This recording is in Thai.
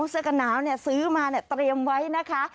เสื้อกันหนาวซื้อมาเตรียมไว้นะคะ